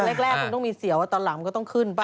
แรกคุณต้องมีเสียวตอนหลังมันก็ต้องขึ้นไป